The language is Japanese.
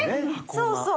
そうそう。